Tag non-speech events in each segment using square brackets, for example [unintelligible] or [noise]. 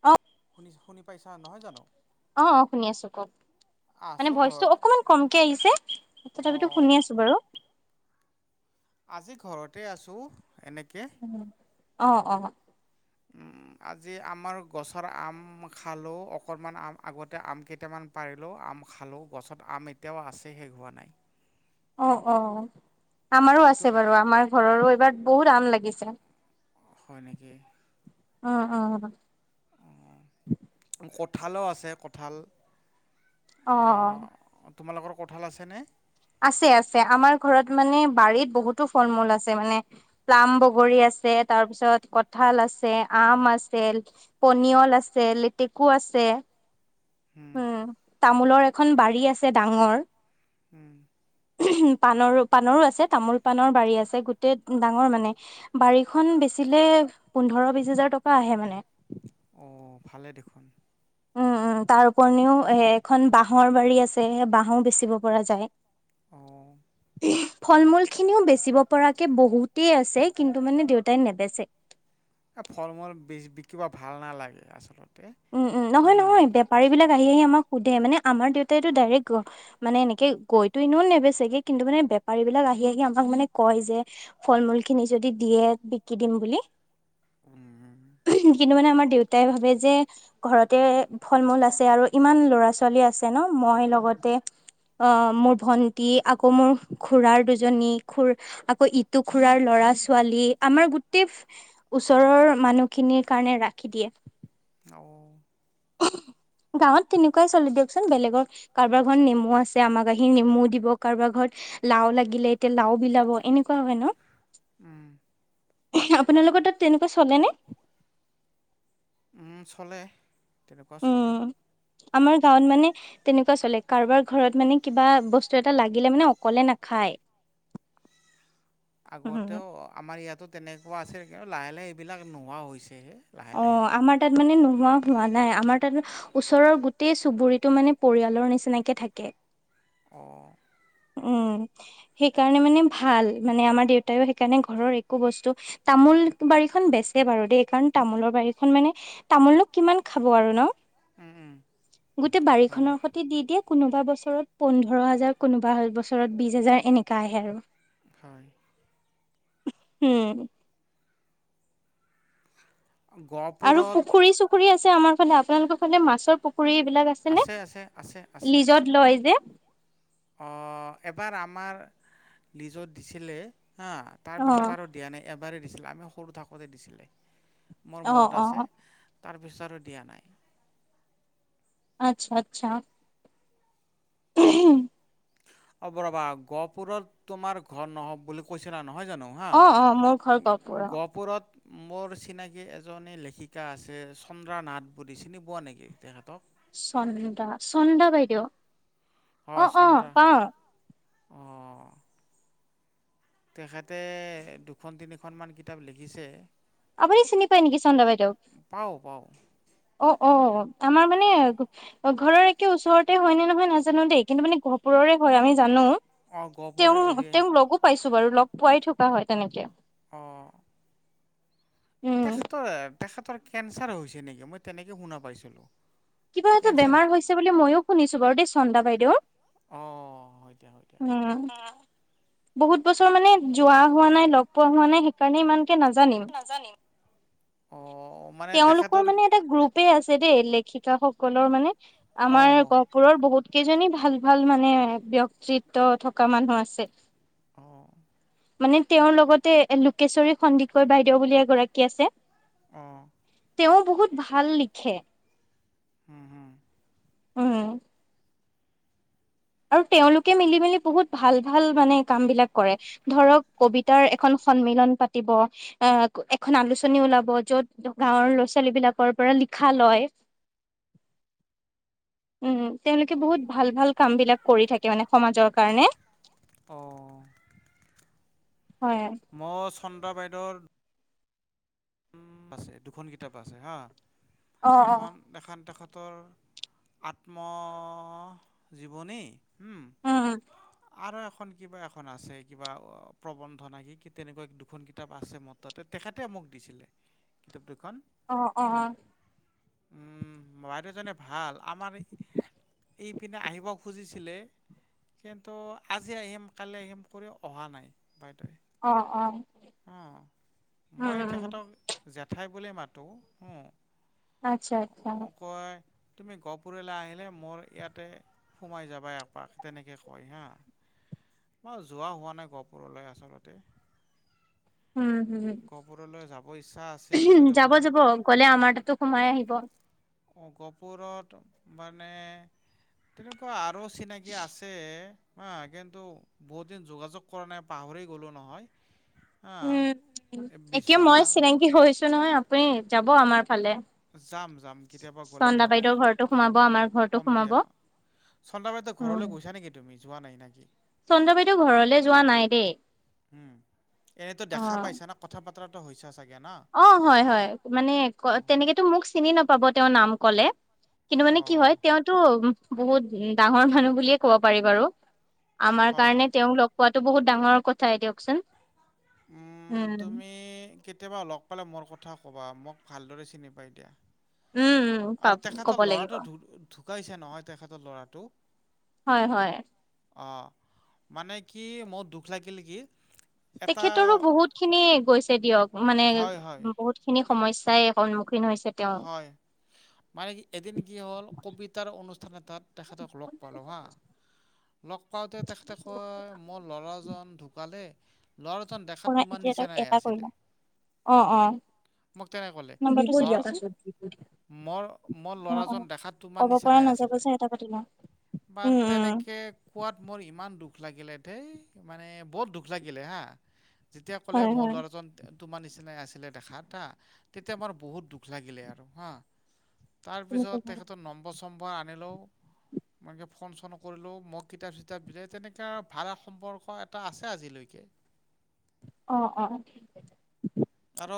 অ' শুনি শুনি পাইছা নহয় জানো অ - অ শুনি আছো কওক। মানে আছোঁ ভইচটো ঘৰত অকমান কমকে আহিছে তথাপিতো অঁ শুনি আছো বাৰু। আজি ঘৰতে আছো এনে উম, অহ - অহ। উম। আজি আমাৰ গছৰ আম খালো অকনমান আম আগতে আম কেইটামান পাৰিলো। আম খালো গছত আম এতিয়াও আছে শেষ হোৱা নাই। অ - অ আমাৰো তো আছে বাৰু আমাৰ ঘৰৰো এইবাৰ বহুত আম লাগিছে। হয় নেকি। উম - উম। কঠালো আছে কঠাল অ অ তোমালোকৰ কঁঠাল আছেনে আছে আছে আমাৰ ঘৰত মানে বাৰিত বহুতো ফল মূল আছে মানে প্লাম বগৰী আছে আছে তাৰপিছত কঠাঁল আছে আম আছে পনিয়ল আছিল লেটেকু আছে [unintelligible] উম তামোলৰ এখন বাৰী আছে ডাঙৰ উম। উ পাণৰো পাণৰো আছে তামোল পাণৰ বাৰী আছে গোটেই ডাঙৰ মানে বাৰীখন বেছি। আছিলে পোন্ধৰ বিশ হোজাৰ টকা আহে মানে। অ ভালে দেখোন উম উম তাৰ উপণিও এ এখন বাঁহৰ বাৰী আছে বাঁহো বেচিব পৰা যায় অঁ [unintelligible] ফল মূলখিনিও বেচিব পৰাকে বহুতেই আছে কিন্তু মানে দেউতাই নেবেচে। এ ফল মূল বেছি বিকিব ভাল নালাগে আচলতে। উম উম নহয় নহয় বেপাৰী বিলাক আহি আহি আমাক সুধে মানে আমাৰ দেউতাইতো ডাইৰেক্ট মানে এনেকে গৈতো ইনেও নেবেচগে কিন্তু মানে। বেপাৰী বিলাক আহি আহি আমাক মানে কয় যে ফল মূল খিনি যদি দিয়ে বিকি দিম বুলি। [inaudible] কিন্তু মানে আমাৰ দেউতাই ভাবে যে ঘৰতে ফল মূল আছে আৰু ইমান ল'ৰা ছোৱালী আছে ন মই লগতে অ মোৰ ভন্টি আকৌ মোৰ খুৰাৰ দুজনী খুৰ আকৌ ইটো খুৰাৰ ল'ৰা লৰা ছোৱালী আমাৰ গোটেই ওচৰৰ মানুহখিনিৰ কাৰণে ৰাখি দিয়ে [inaudible] গাঁৱত তেনেকুৱাই চলি দিয়কচোন বেলেগৰ কাৰোবাৰ ঘৰত নেমু আছে আমাক আহি নেমু দিব কাৰোবাৰ ঘৰত। লাও লাগিলে এতিয়া লাও বিলাব এনেকুৱা হয় ন। উম, আপোনালোকৰ তাত তেনেকুৱা চলেনে। উম চলে তেনেকুৱা চলে উম আমাৰ গাঁৱত মানে তেনেকুৱা চলে কাৰোবাৰ ঘৰত মানে কিবা বস্তু এটা লাগিলে মানে অকলে নাখায় [inaudible] উম, আগতেও আমাৰ ইয়াতো তেনেকুৱা আছে লাহে লাহে এইবিলাক নোহোৱা হৈছে হে অ আমাৰ তাত মানে ন, হোৱা নাই আমাৰ তাত ওচৰৰ গোটেই চুবুৰীটো মানে পৰিয়ালৰ নিচিনাকে থাকে অঁ উম সেইকাৰণে মানে ভাল মানে আমাৰ দেউতাইও সেইকাৰণে ঘৰৰ একো বস্তু তামোল তামোল বাৰীখন বেচে বাৰু দেই কাৰণ তামোলৰ বাৰীখন মানে তামোলোক কিমান খাব আৰু ন উম, উম, গোটেই হয়, বাৰীখনৰ সতে দি দিয়ে কোনোবা বছৰত পোন্ধৰ হাজাৰ, কোনোবা হল বছৰত বিশ হাজাৰ এনেকা আহে আৰু হয় উম, আৰু গহপুৰত পুখুৰী চুখুৰী আছে আমাৰ ফালে আপোনালোকৰ ফালে মাছৰ পো- পুখুৰী এইবিলাক আছে নে লিজত লয় যে। অ এবাৰ আমাৰ লিজত দিছিলে হা তাৰপিছত অ', আৰু দিয়া নাই এবাৰেই দিছিলে আমি সৰু থাকোঁতে দিছিলে মোৰ অ', মত আছে অ', তাৰপিছত আৰু দিয়া নাই আচ্ছা আচ্ছা উহু, অ'ব ৰবা গহপুৰত তোমাৰ ঘৰ নহব বুলি কৈছিলা। নহয় জানো হা অ', অ', মোৰ ঘৰ গহপুৰৰ। গহপুৰত। মোৰ চিনাকি এজনী লেখিকা আছে চন্দ্ৰা নাথ বুলি চিনি পোৱা নেকি তেখেতক। চন্দা চন্দা বাইদেউ অ অ পাওঁ। অ। তেখেতে দুখন তিনিখন মান কিতাপ লিখিছে। আপুনি চিনি পায় নেকি চন্দ্ৰ বাইদেউ। পাওঁ পাওঁ অ অ আমাৰ মানে। অ ঘৰৰ একে ওচৰতে হয় নে নহয় নাজানো দেই কিন্তু মানে গহপুৰৰে হয় আমি জানো। অঁ গহপুৰ তেওঁ এৰিয়া তেওঁক লগো পাইছো বাৰু লগ পোৱাই থকা হয় তেনেকে। অ। উম। তেখেতৰ তেখেতৰ কেঞ্চাৰ হৈছে নেকি মই তেনেকে শুনা পাইছিলো কিবা এটা বেমাৰ হৈছে বুলি, ময়ো শুনিছো বাৰু দেই চন্দা বাইদেউ। অহ' হয় দিয়া, হয় দিয়া। বহুত বছৰ মানে, যোৱা হোৱা নাই লগ পোৱা হোৱা নাই সেইকাৰণে ইমান। কে নাজানিম অঁ মানে তেখেতৰ তেওঁলোকৰ মানে এটা গ্ৰুপে আছে দেই লেখিকা সকলৰ মানে আমাৰ অঁ গহপুৰৰ বহুত কেইজনী ভাল ভাল মানে ব্যক্তিত্ব থকা মানুহ আছে। অঁ মানে তেওঁৰ লগতে লোকেশ্বৰী সন্দিকৈ বাইদেউ বুলি এগৰাকী আছে। অ তেওঁ বহুত ভাল লিখে হুম হুম উম আৰু তেওঁলোকে মিলি মিলি বহুত ভাল ভাল মানে কাম বিলাক কৰে ধৰক কবিতাৰ এখন সন্মিলন পাতিব অ এখন আলোচনী ওলাব য'ত গাঁৱৰ ল'ৰা ছোৱালী বিলাকৰ পৰা শিক্ষালৈ [unintelligible] উম তেওঁলোকে বহুত ভাল ভাল কাম বিলাক কৰি থাকে মানে সমাজৰ কাৰণে। অঁ হয়। ম চন্দা বাইদেউৰ আছে দুখন কিতাপ আছে হা উম এখন এ তেখ তেখেতৰ আত্ম জীৱনী উম আৰু এখন কিবা এখন আছে কিবা প্ৰবন্ধ নাকি তেনেকুৱা দুখন কিতাপ আছে মোৰ তাতে। তেখেতে মোক দিছিলে কিতাপ। দুখন অ অ উম উম বাইদেউজনে ভাল আমাৰ। ইপিনে আহিব খুজিছিলে কিন্তু আজি আহিম কালি আহিম কৰি অহা নাই বাইদেউ। অ অ অ মই তেখেতক জেঠাই বুলিয়ে মাতো। আচ্ছা আচ্ছা। তুমি গহপুৰলৈ আহিলে মোৰ ইয়াতে। সোমাই যাবা একপাক তেনেকে কয় হা মৰ যোৱা হোৱা নাই গহপুৰলৈ আচলতে উম হম গহপুৰলৈ যাব ইচ্ছা আছিল যদিও যাব মই। যাব গ'লে আমাৰ তাতো সোমাই আহিব। [inaudible] গহপুৰত মানে তেনেকুৱা আৰু। চিনাকি আছে। হা কিন্তু বহুত দিন যোগাযোগ কৰা নাই পাহৰি গ'লো নহয়। হা উম এতিয়া মই বিশ্বনাথ চিনাকী হৈছো নহয় আপুনি যাব আমাৰ ফালে। যাম যাম কেতিয়াবা গ'লে মই চন্দা বাইদেউৰ ঘৰতো সোমাব আমাৰ ঘৰটো সোমাব। চন্দামিতাৰ উম ঘৰলৈ গৈছা নেকি তুমি যোৱা নাই নেকি? চন্দা বাইদেউ ৰ ঘৰলৈ যোৱা নাই দেই। উম এনেতো অ দেখা পাইছা না কথা বতৰাটো হৈছা চাগে। না? অ' হয় হয় মানে অঁ, তেনেকেতো মোক চিনি নাপাব তেওঁ নাম কলে। কিন্তু মানে কি অঁ হয় তেওঁতো বহুত ডাঙৰ মানুহ বুলিয়ে কব পাৰি বাৰু। আমাৰ কাৰণে হয়। তেওঁক লগ পোৱাাতটো বহুত ডাঙৰ কথাই দিয়কচোন। উম, তুমি কে কেতিয়াবা লগ পালে মোৰ কথা ক'বা মোক ভালদৰে চিনি পাই দিয়া। উম উম পাব আৰু ক'ব তেখেতৰ লাগিব লৰাটো ঢুকাইছে নহয় তেখেতৰ লৰাটো। হয় হয়। অ' মানে কি মোৰ দুখ লাগিল কি এটা তেখেতৰো বহুত খিনি গৈছে দিয়ক মানে হয়, হয়, বহুত খিনি সমস্যাই এখন হয়, মানে কি এদিন কি হ'ল কবিতাৰ অনুষ্ঠান এটাত। তেখেতক লগ পালোঁ হাঁ। লগ পাওঁতে তেখেতে কয় মোৰ লৰাজন ঢুকালে। ল'ৰাজন দেখাত কৰা তোমাৰ এতিয়া এটা নিচিনাই এটা কৰি আছিলে। লওঁ। অ অ। মোক তেনেকে কলে। মোৰ মোৰ অ-অ ল'ৰাজন দেখাত তোমাৰ ক'ব পৰা নিচিনাই নাযাব আছিলে যে এটা পাতি লও। বা তেনেকে কোৱাত মোৰ ইমান দুখ। দুখ লাগিলে ধেই মানে বহুত দুখ লাগিলে হা যেতিয়া ক'লে হয় মোৰ হয়। ল'ৰাজন তোমাৰ নিচিনাই আছিলে দেখাত হা, তেতিয়া মোৰ বহুত দুখ লাগিলে আৰু হা। তুমি ক'ব তাৰপিছত লাগে। তেখেতৰ নম্বৰ চম্্বৰ আনিলো। তেনেকে ফোন চোন কৰিলো মোক কিতাপ চিতাপ দিলে তেনেকে ভাল সম্পৰ্ক এটা আছে আজিলৈকে। [inaudible] অ' অ' ঠিক আছে। আৰু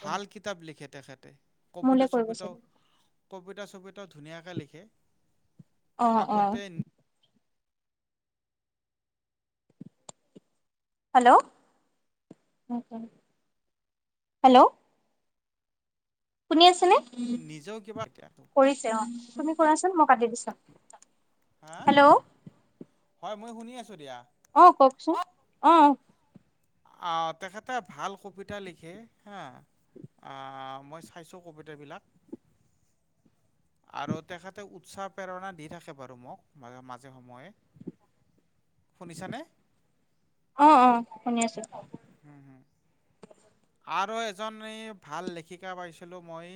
ভাল কিতাপ লিখে তেখেতে, মোলে কবিতা কৰিব চবিতাও চাগে। কবিতা চবিতাও ধুনীয়াকে লিখে। অ' অ'। আগতে হেল্ল, ' হেল্ল' শুনি আছেনে নিজেও কিবা এতিয়া কৰিছে অ' তুমি কৰাচোন মই কাটি দিছো। হা হেল্ল' হয়, মই শুনি আছো দিয়া। অহ, কওকচোন? অহ, আহ তেখেতে ভাল কবিতা লিখে, হা আহ মই চাইছো কবিতাবিলাক। আৰু তেখেতে উৎসাহ প্ৰেৰণা দি থাকে বাৰু মোক মাজে সময়ে। শুনিছা নে? অ অ শুনি আছো। হম হম। আৰু এজনী ভাল লেখিকা পাইছিলো মই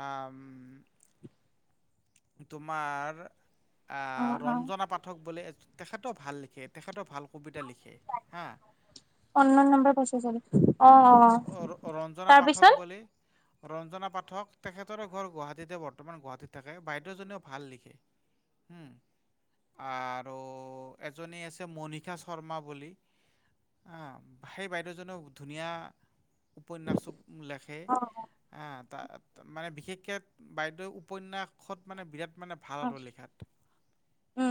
আ তোমাৰ অ আহ অ ৰঞ্জনা পাঠক বুলি। তেখেতও ভাল লিখে তেখেতও ভাল কবিতা লিখে। হা। অনলাইন নম্বৰ পচাইছ। ৰঞ্জনা পাঠক বুলি। ৰঞ্জনা পাঠক তেখেতৰে ঘৰ গুৱাহাটীতে বৰ্তমান গুৱাহাটীত থাকে বাইদেউজনীও ভাল লিখে। হম। আৰু এজনী আছে মণিকা শৰ্মা বুলি। অ' সেই বাইদেউজন ধুনীয়া। উপন্যাসো লেখে অ তাত মানে বিশেষ বাইদেউ উপন্যাসত মানে বিৰাট মানে ভাল অ হাতত লিখাত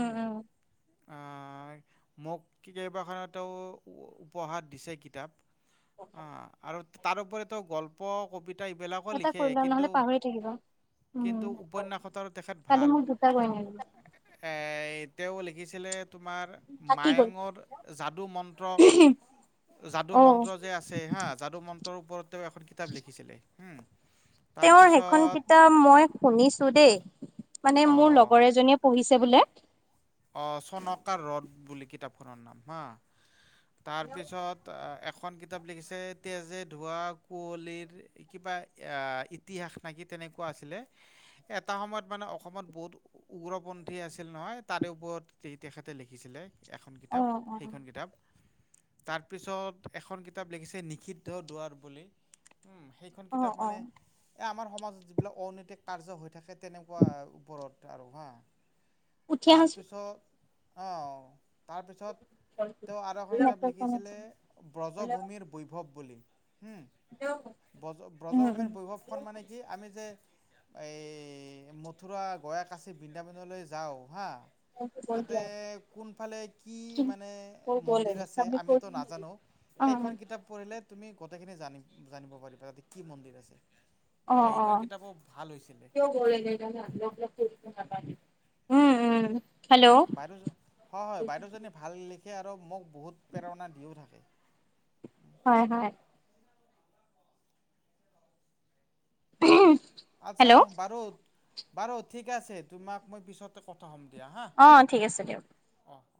উম অহ মোক কেইবাখনতেও উপহাৰ দিছে কিতাপ অ', আৰু তাৰপৰিতো গল্প কবিতা এইবিলাকো এটা লিখে কৰিল নহলে কিন্তু পাহৰি থাকিব। কিন্তু উপন্যাসতাৰ তেখেত ভাল, মোক দুটা কৰিলে এ এ তেওঁ লিখিছিলে তোমাৰ থাকি গ'ল মায়ঙৰ যাদু মন্ত্ৰ যাদু অ মন্ত্ৰ যে আছে হা যাদু মন্ত্ৰৰ ওপৰত তেওঁ এখন কিতাপ লিখিছিলে হম। তেওঁৰ সেইখন কিতাপ মই শুনিছো দেই। মানে মোৰ অ' লগৰ এজনীয়ে পঢ়িছে বোলে। অ', চনকা ৰদ বুলি কিতাপখনৰ নাম হা। তাৰ পিছত এখন কিতাপ লিখিছে তেজে ধোৱা কুঁৱলীৰ কিবা আহ ইতিহাস নেকি তেনেকুৱা আছিলে এটা সময়ত মানে অসমত বহুত উগ্ৰপন্থী আছিল নহয় তাৰে ওপৰত তেখেতে লিখিছিলে এখন অ কিতাপ অ সেইখন কিতাপ। তাৰ পিছত এখন কিতাপ লিখিছে নিষিদ্ধ দুৱাৰ বুলি। উম, সেইখন অ কিতাপ অ মানে এ আমাৰ সমাজত যিবিলাক অনৈতিক কাৰ্য হৈ থাকে তেনেকুৱা ওপৰত আৰু হা। উঠি আহাচোন তাৰপিছত অ তাৰপিছত তেওঁ আৰু এখন কিতাপ নেটৱৰ্ক পোৱা লিখিছিলে নাছিলো ব্ৰজভূমিৰ বৈভৱ বুলি। হোম ব্ৰজ উম ব্ৰজভূমিৰ বৈভৱখন মানে কি আমি যে এই মথুৰা গয়া কাচি বৃন্দাবনলৈ যাও হা। অ'। তাতে কোনফালে কি মানে কৈ মন্দিৰ আছে আমিতো নাজানো। অ', সেইখন কিতাপ পঢ়িলে তুমি গোটেইখিনি জানি জানিব পাৰিবা তাতে কি মন্দিৰ আছে অ', অ', সেইখন কিতাপো ভাল হৈছিলে তেওঁ গ [unintelligible] উম উম। হেল্ল' বাইদেউ হয় হয় বাইদেউজনীয়ে ভাল লিখে আৰু মোক বহুত প্ৰেৰণা দিও থাকে হয় হয়। হ আচ্ছা বাৰু বাৰু ঠিক আছে তোমাক মই পিছতে কথা হ'ম দিয়া হা অ ঠিক আছে দিয়ক অঁ